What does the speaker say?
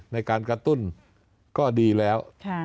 ในการกระตุ้นก็ดีแล้ว